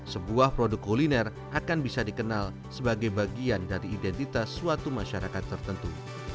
sebuah produk kuliner akan bisa dikenal sebagai bagian dari identitas suatu masyarakat tertentu